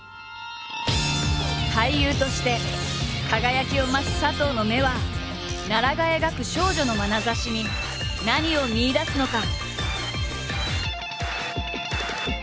俳優として輝きを増す佐藤の目は奈良が描く少女のまなざしに何を見いだすのか？